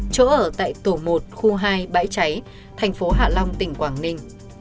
chỗ ở tại tổ một khu hai bãi cháy thành phố hạ long tỉnh quảng ninh